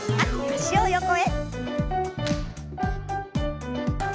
脚を横へ。